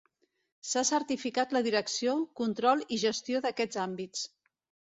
S'ha certificat la direcció, control i gestió d'aquests àmbits.